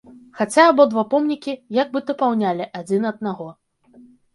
Хаця абодва помнікі, як бы дапаўнялі адзін аднаго.